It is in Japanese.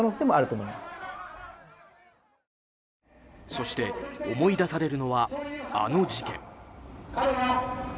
そして思い出されるのはあの事件。